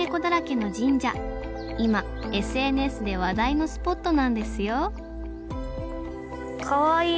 今ＳＮＳで話題のスポットなんですよかわいい！